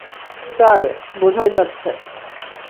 Sir, বোঝাই যাচ্ছে।